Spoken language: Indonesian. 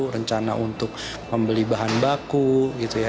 rencana untuk membeli bahan baku gitu ya